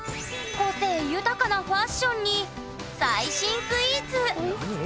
個性豊かなファッションに最新スイーツ。